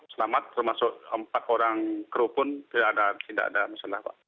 selamat termasuk empat orang kru pun tidak ada masalah pak